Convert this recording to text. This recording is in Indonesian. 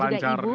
dan juga ibu